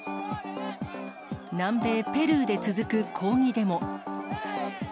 南米ペルーで続く抗議デモ。